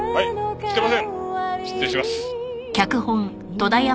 失礼します。